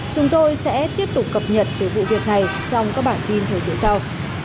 chúng tôi sẽ tiếp tục cập nhật về vụ việc này trong các bản tin thời sự sau